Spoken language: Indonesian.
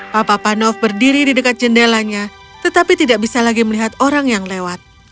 papa panov berdiri di dekat jendelanya tetapi tidak bisa lagi melihat orang yang lewat